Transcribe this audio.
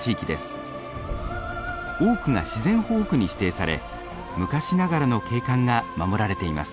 多くが自然保護区に指定され昔ながらの景観が守られています。